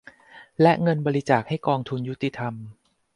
และเงินบริจาคให้กองทุนยุติธรรม